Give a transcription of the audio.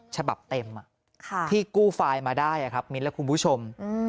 ฉบับเต็มที่กู้ไฟล์มาได้ครับมิ้นและคุณผู้ชม